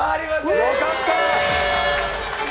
よかったー！